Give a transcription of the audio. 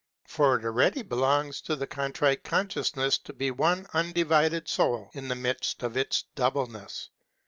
For it already belongs to the Contrite Consciousness to be one undivided soul in the midst of its double ness.